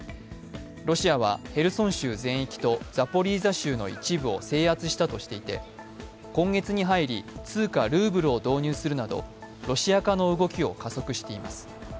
ロシアはヘルソン州全域とザポリージャ州の一部を制圧したとしていて、今月に入り通貨ルーブルを導入するなどロシア化の動きを加速しています。